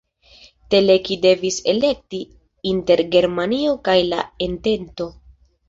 Teleki devis elekti inter Germanio kaj la entento.